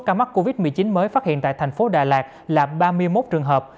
ca mắc covid một mươi chín mới phát hiện tại thành phố đà lạt là ba mươi một trường hợp